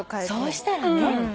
そうしたらね